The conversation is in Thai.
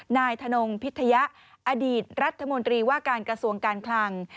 นายธนงพิทยะอดีตรัฐมนตรีว่าการกระทรวงการคลัง